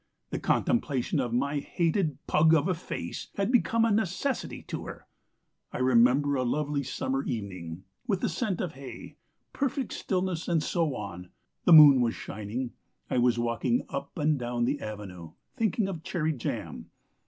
The contemplation of my hated pug of a face had become a necessity to her. I remember a lovely summer evening ... with the scent of hay, perfect stillness, and so on. The moon was shining. I was walking up and down the avenue, thinking of cherry jam.